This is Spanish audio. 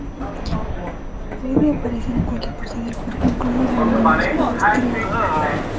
Puede aparecer en cualquier parte del cuerpo, incluido donde no hay músculo estriado.